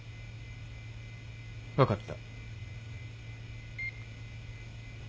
分かった。